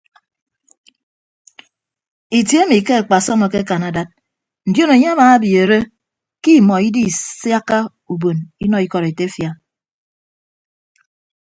Itie emi ke akpasọm akekan adad ndion anie amabiooro ke imọ idisiakka ubon inọ ikọd etefia.